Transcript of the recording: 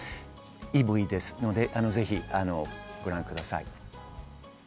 いいＶＴＲですので、ぜひご覧ください。